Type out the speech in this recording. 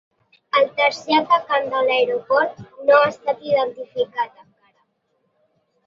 El tercer atacant de l’aeroport no ha estat identificat encara.